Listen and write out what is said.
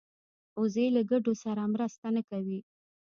وزې له ګډو سره مرسته نه کوي